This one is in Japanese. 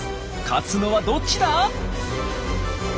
勝つのはどっちだ？